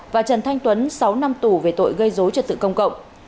và trần thanh tuấn sáu năm tù về tội gây dối trật tự công cộng